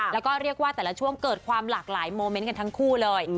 แล้วก็เรียกว่าแต่ละช่วงเกิดความหลากหลายโมเมนต์กันทั้งคู่เลย